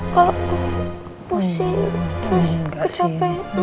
kalau aku pusing